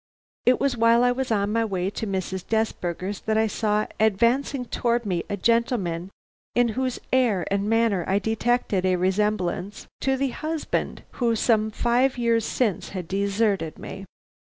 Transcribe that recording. It was while I was on my way to Mrs. Desberger's that I saw advancing towards me a gentleman in whose air and manner I detected a resemblance to the husband who some five years since had deserted me.